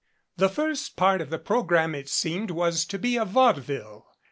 The first part of the program, it seemed, was to be a vaudeville.